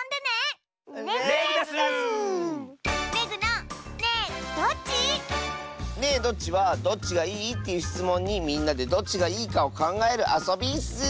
「ねえどっち？」は「どっちがいい？」っていうしつもんにみんなでどっちがいいかをかんがえるあそびッス！